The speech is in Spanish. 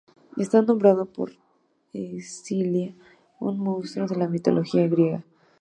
Está nombrado por Escila, un monstruo de la mitología griega.